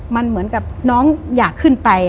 มันเหมือนกับน้องอยากขึ้นไป